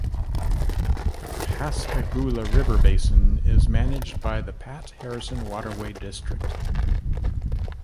The Pascagoula River Basin is managed by the Pat Harrison Waterway District.